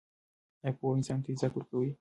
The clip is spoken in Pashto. آیا پوهه انسان ته عزت ورکوي؟